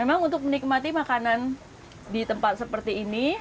memang untuk menikmati makanan di tempat seperti ini